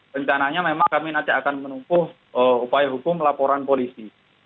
rencananya memang kami nanti akan menumpuh upaya hukum laporan polisi